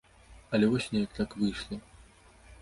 Але вось неяк так выйшла.